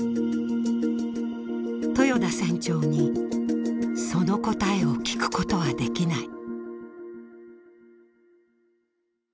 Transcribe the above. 豊田船長にその答えを聞くことはできない。